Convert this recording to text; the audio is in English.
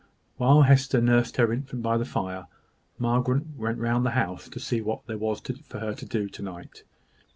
While Hester nursed her infant by the fire, Margaret went round the house, to see what there was for her to do to night.